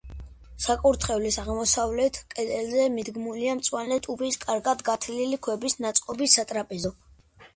საკურთხევლის აღმოსავლეთ კედელზე მიდგმულია მწვანე ტუფის კარგად გათლილი ქვებით ნაწყობი სატრაპეზო.